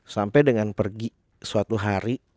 sampai dengan pergi suatu hari